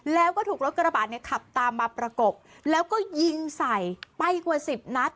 แล้วก็ถูกรถกระบาดเนี่ยขับตามมาประกบแล้วก็ยิงใส่ไปกว่าสิบนัด